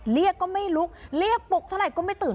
เรียกก็ไม่ลุกเรียกปลุกเท่าไหร่ก็ไม่ตื่น